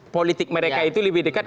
politik mereka itu lebih dekat